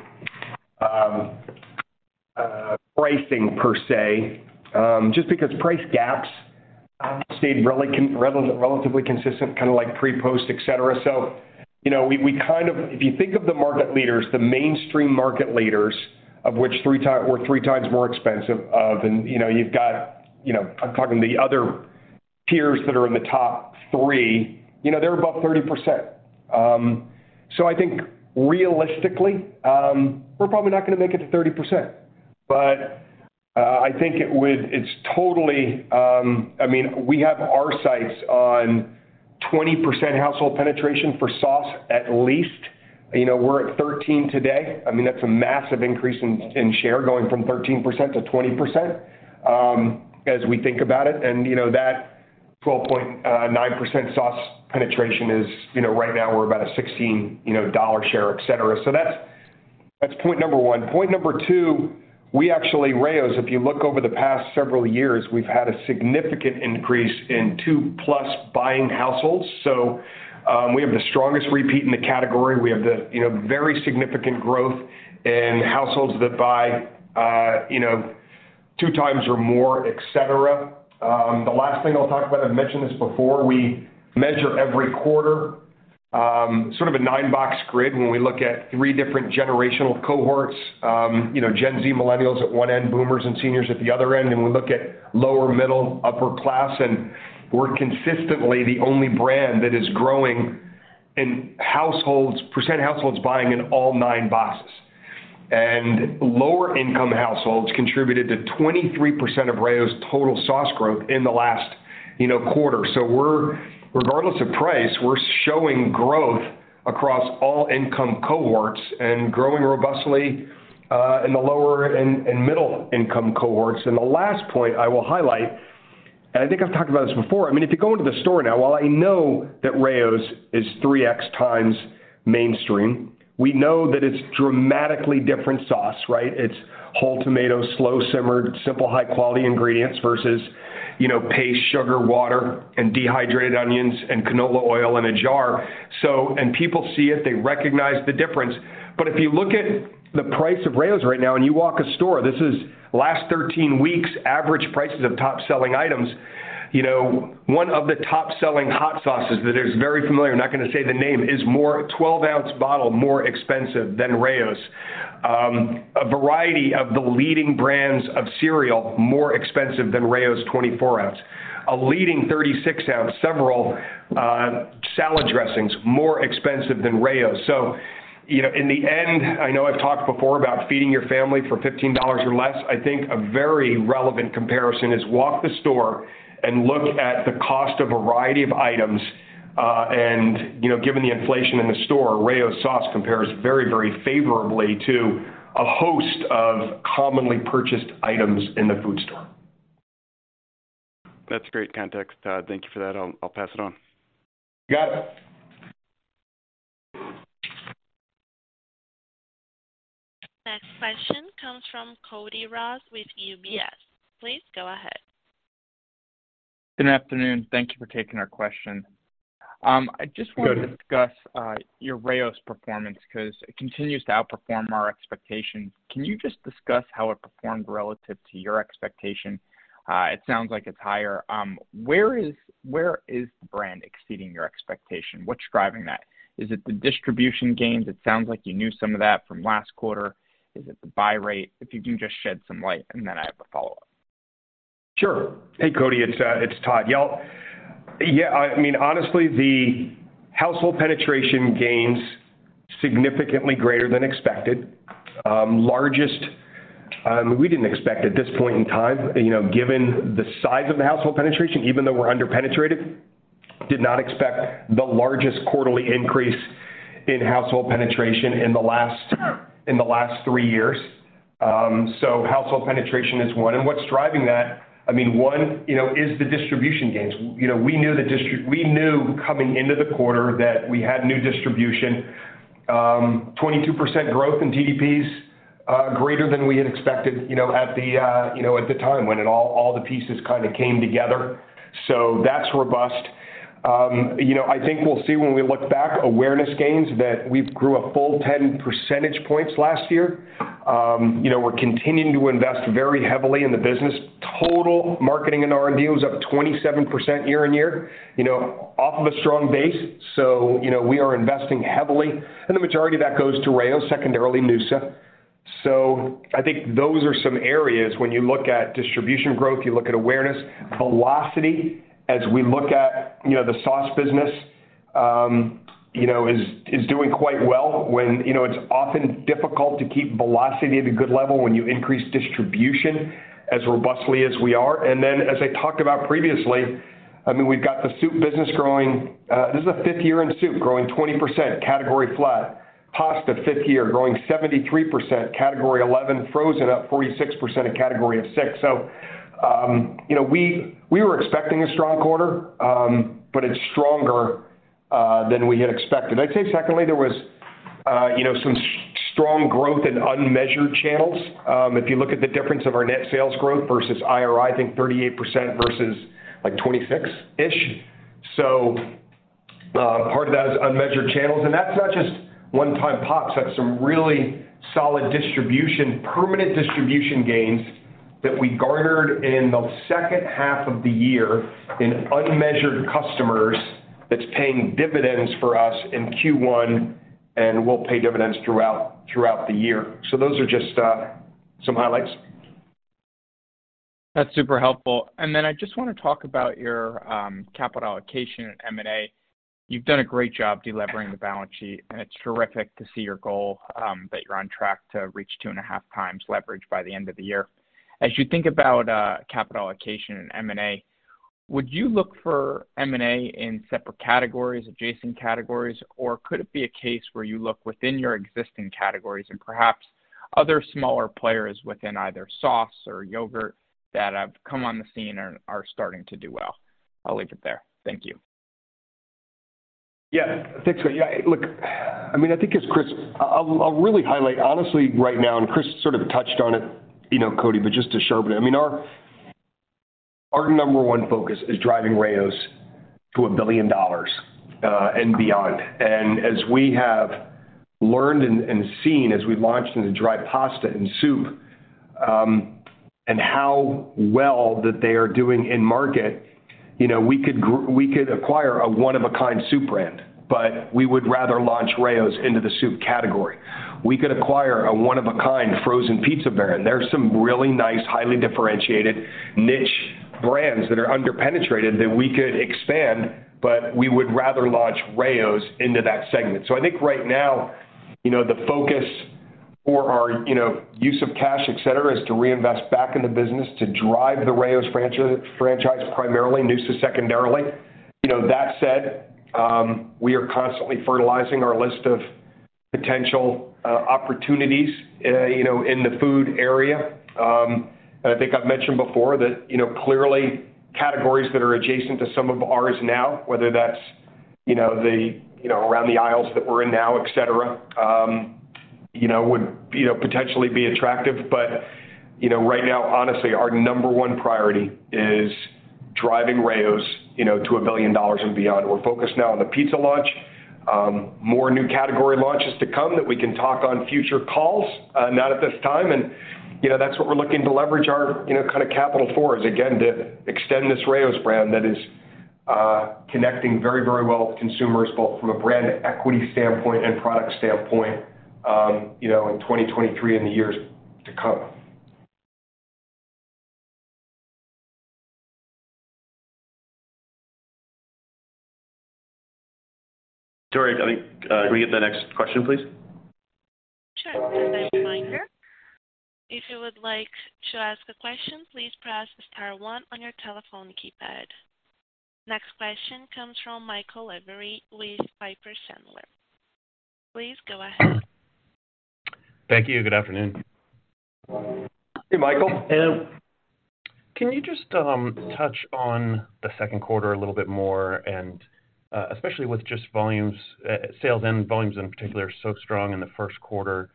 pricing per se, just because price gaps have stayed relatively consistent, kinda like pre, post, et cetera. You know, we kind of If you think of the market leaders, the mainstream market leaders, of which we're 3x more expensive of and, you know, you've got, you know, I'm talking the other peers that are in the top three, you know, they're above 30%. I think realistically, we're probably not gonna make it to 30%. I think it's totally, I mean, we have our sights on 20% household penetration for sauce, at least. You know, we're at 13% today. I mean, that's a massive increase in share, going from 13% to 20% as we think about it. You know, that 12.9% sauce penetration is, you know, right now we're about a $16 share, et cetera. That's, that's point number one. Point number two, we actually, Rao's, if you look over the past several years, we've had a significant increase in two-plus buying households. We have the strongest repeat in the category. We have the, you know, very significant growth in households that buy, you know, 2x or more, et cetera. The last thing I'll talk about, I've mentioned this before, we measure every quarter, sort of a nine-box grid when we look at three different generational cohorts. You know, Gen Z, Millennials at one end, Boomers and seniors at the other end. We look at lower, middle, upper class, we're consistently the only brand that is growing in households, percent of households buying in all nine boxes. Lower income households contributed to 23% of Rao's total sauce growth in the last, you know, quarter. We're, regardless of price, we're showing growth across all income cohorts and growing robustly in the lower and middle income cohorts. The last point I will highlight, I think I've talked about this before. I mean, if you go into the store now, while I know that Rao's is 3x mainstream, we know that it's dramatically different sauce, right? It's whole tomatoes, slow simmered, simple, high quality ingredients versus, you know, paste, sugar, water, and dehydrated onions and canola oil in a jar. People see it, they recognize the difference. If you look at the price of Rao's right now and you walk a store, this is last 13 weeks average prices of top selling items. You know, one of the top selling hot sauces that is very familiar, I'm not gonna say the name, is more 12 oz bottle more expensive than Rao's. A variety of the leading brands of cereal, more expensive than Rao's 24 oz. A leading 36 oz, several salad dressings, more expensive than Rao's. You know, in the end, I know I've talked before about feeding your family for $15 or less. I think a very relevant comparison is walk the store and look at the cost of a variety of items, and, you know, given the inflation in the store, Rao's sauce compares very, very favorably to a host of commonly purchased items in the food store. That's great context, thank you for that. I'll pass it on. Got it. Next question comes from Cody Ross with UBS. Please go ahead. Good afternoon. Thank you for taking our question. I just want to discuss your Rao's performance because it continues to outperform our expectations. Can you just discuss how it performed relative to your expectation? It sounds like it's higher. Where is the brand exceeding your expectation? What's driving that? Is it the distribution gains? It sounds like you knew some of that from last quarter. Is it the buy rate? If you can just shed some light, and then I have a follow-up. Sure. Hey, Cody, it's Todd. Yeah. Yeah. I mean, honestly, the household penetration gains significantly greater than expected. Largest, we didn't expect at this point in time, you know, given the size of the household penetration, even though we're under-penetrated, did not expect the largest quarterly increase in household penetration in the last three years. Household penetration is one. What's driving that, I mean, one, you know, is the distribution gains. You know, we knew coming into the quarter that we had new distribution, 22% growth in TDPs, greater than we had expected, you know, at the, you know, at the time when it all the pieces kind of came together. That's robust. You know, I think we'll see when we look back awareness gains that we've grew a full 10 percentage points last year. You know, we're continuing to invest very heavily in the business. Total marketing and R&D was up 27% year-on-year, you know, off of a strong base. You know, we are investing heavily, and the majority of that goes to Rao's, secondarily noosa. I think those are some areas when you look at distribution growth, you look at awareness. Velocity, as we look at, you know, the sauce business, you know, is doing quite well when, you know, it's often difficult to keep velocity at a good level when you increase distribution as robustly as we are. Then as I talked about previously, I mean, we've got the soup business growing. This is a fifth year in soup, growing 20%, category flat. Pasta, fifth year, growing 73%, category 11%. Frozen, up 46%, a category of 6%. You know, we were expecting a strong quarter, but it's stronger than we had expected. I'd say secondly, there was, you know, some strong growth in unmeasured channels. If you look at the difference of our net sales growth versus IRI, I think 38% versus like 26%-ish. Part of that is unmeasured channels, and that's not just one-time pops. That's some really solid distribution, permanent distribution gains that we garnered in the second half of the year in unmeasured customers that's paying dividends for us in Q1 and will pay dividends throughout the year. Those are just some highlights. That's super helpful. I just wanna talk about your capital allocation in M&A. You've done a great job delevering the balance sheet, and it's terrific to see your goal that you're on track to reach 2.5x leverage by the end of the year. As you think about capital allocation in M&A, would you look for M&A in separate categories, adjacent categories, or could it be a case where you look within your existing categories and perhaps other smaller players within either sauce or yogurt that have come on the scene and are starting to do well? I'll leave it there. Thank you. Yeah. Thanks. Yeah, look, I mean, I think as Chris— I'll really highlight honestly right now, and Chris Hall sort of touched on it, you know, Cody, but just to sharpen it. I mean, our number one focus is driving Rao's to $1 billion and beyond. As we have learned and seen as we launched into dry pasta and soup, and how well that they are doing in market, you know, we could acquire a one of a kind soup brand, but we would rather launch Rao's into the soup category. We could acquire a one of a kind frozen pizza brand. There are some really nice, highly differentiated niche brands that are under-penetrated that we could expand, but we would rather launch Rao's into that segment. I think right now, you know, the focus for our, you know, use of cash, et cetera, is to reinvest back in the business to drive the Rao's franchise primarily, noosa secondarily. That said, we are constantly fertilizing our list of potential opportunities, you know, in the food area. I think I've mentioned before that, you know, clearly categories that are adjacent to some of ours now, whether that's, you know, the, you know, around the aisles that we're in now, et cetera, you know, would, you know, potentially be attractive. Right now, honestly, our number one priority is driving Rao's, you know, to $1 billion and beyond. We're focused now on the pizza launch. More new category launches to come that we can talk on future calls, not at this time. You know, that's what we're looking to leverage our, you know, kind of capital for is again to extend this Rao's brand that is connecting very, very well with consumers, both from a brand equity standpoint and product standpoint, you know, in 2023 and the years to come. Sorry, I think, can we get the next question, please? A reminder, if you would like to ask a question, please press star one on your telephone keypad. Next question comes from Michael Lavery with Piper Sandler. Please go ahead. Thank you. Good afternoon. Hey, Michael. Can you just touch on the second quarter a little bit more and especially with just volumes, sales and volumes in particular so strong in the first quarter,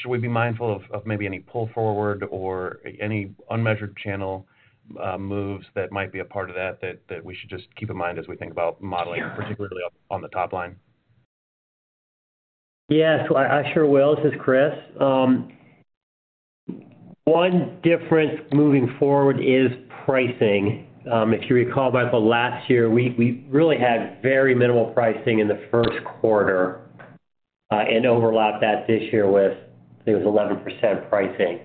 should we be mindful of maybe any pull forward or any unmeasured channel, moves that might be a part of that we should just keep in mind as we think about modeling, particularly up on the top line? Yes, I sure will. This is Chris. One difference moving forward is pricing. If you recall, Michael, last year, we really had very minimal pricing in the first quarter, and overlapped that this year with, I think it was 11% pricing.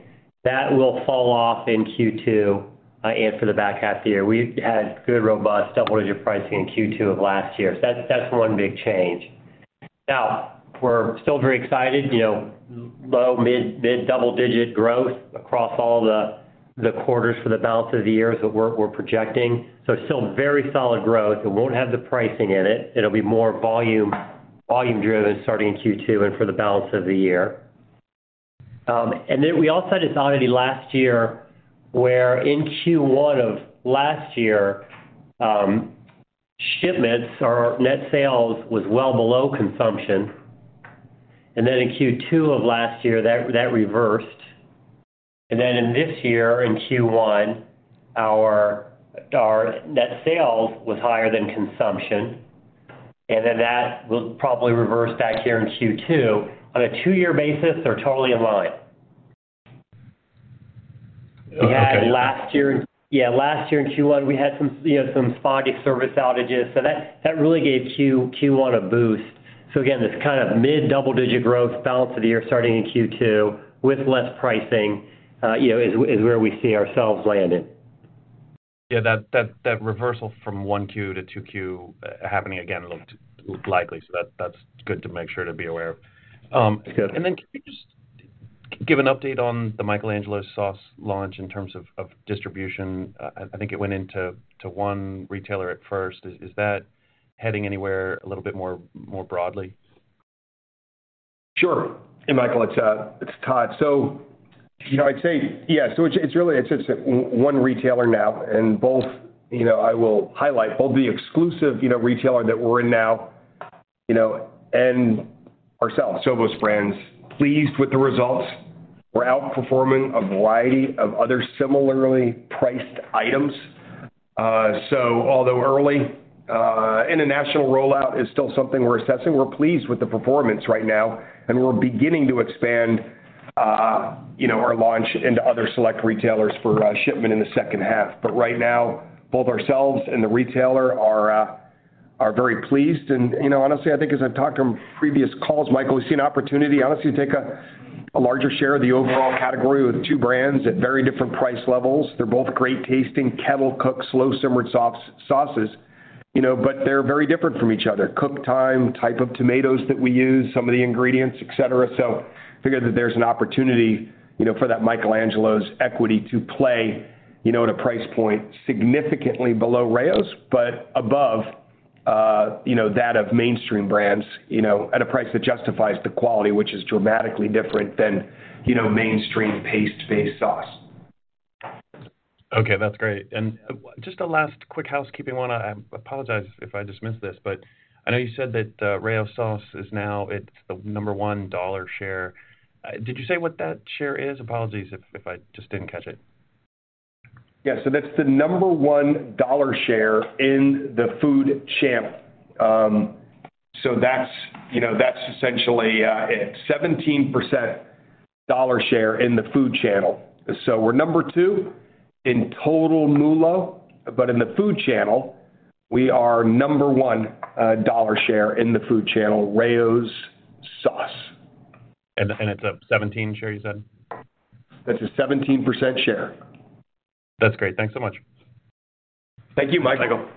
That will fall off in Q2, and for the back half of the year. We've had good, robust double-digit pricing in Q2 of last year. That's one big change. Now, we're still very excited, you know, low mid double-digit growth across all the quarters for the balance of the year is what we're projecting. Still very solid growth. It won't have the pricing in it. It'll be more volume driven starting in Q2 and for the balance of the year. We all said this already last year, where in Q1 of last year, shipments or net sales was well below consumption. In Q2 of last year, that reversed. In this year, in Q1, our net sales was higher than consumption. That will probably reverse back here in Q2. On a two-year basis, they're totally in line. Okay. Yeah, last year in Q1, we had some, you know, some spotty service outages. That, that really gave Q1 a boost. Again, this kind of mid-double-digit growth balance of the year starting in Q2 with less pricing, you know, is where we see ourselves landing. That reversal from 1Q to 2Q happening again looked likely, so that's good to make sure to be aware of. Can you just give an update on the Michael Angelo's sauce launch in terms of distribution? I think it went into 1 retailer at first. Is that heading anywhere a little bit more broadly? Sure. Hey, Michael, it's Todd. You know, it's really it's just one retailer now, and both, you know, I will highlight both the exclusive, you know, retailer that we're in now, you know, and ourselves, Sovos Brands, pleased with the results. We're outperforming a variety of other similarly priced items. Although early, and a national rollout is still something we're assessing, we're pleased with the performance right now, and we're beginning to expand, you know, our launch into other select retailers for shipment in the second half. Right now, both ourselves and the retailer are very pleased. You know, honestly, I think as I've talked on previous calls, Michael, we see an opportunity, honestly to take a larger share of the overall category with two brands at very different price levels. They're both great-tasting, kettle-cooked, slow-simmered sauces, you know, but they're very different from each other. Cook time, type of tomatoes that we use, some of the ingredients, et cetera. Figure that there's an opportunity, you know, for that Michael Angelo's equity to play, you know, at a price point significantly below Rao's, but above, you know, that of mainstream brands, you know, at a price that justifies the quality, which is dramatically different than, you know, mainstream paste-based sauce. Okay, that's great. Just a last quick housekeeping one. I apologize if I just missed this, but I know you said that Rao's sauce is now it's the number one dollar share. Did you say what that share is? Apologies if I just didn't catch it. Yeah. That's the number one dollar share in the food channel. That's, you know, that's essentially, it, 17% dollar share in the food channel. We're number two in total MULO, but in the food channel, we are number one, dollar share in the food channel, Rao's sauce. It's a 17% share you said? That's a 17% share. That's great. Thanks so much. Thank you, Michael.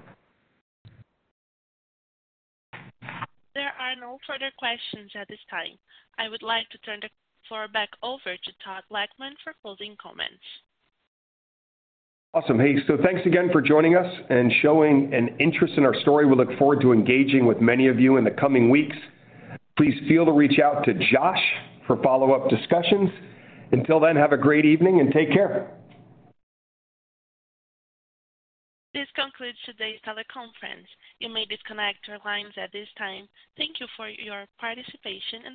There are no further questions at this time. I would like to turn the floor back over to Todd Lachman for closing comments. Awesome. Hey, thanks again for joining us and showing an interest in our story. We look forward to engaging with many of you in the coming weeks. Please feel to reach out to Josh for follow-up discussions. Until then, have a great evening and take care. This concludes today's teleconference. You may disconnect your lines at this time. Thank you for your participation.